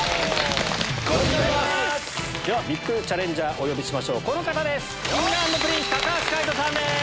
ＶＩＰチャレンジャーお呼びしましょうこの方です！